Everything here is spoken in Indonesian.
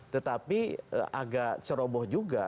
tetapi agak ceroboh juga